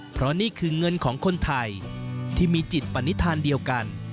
เพราะนี่คือเงินของคนไทยที่มีจิตปณิธานเดียวกัน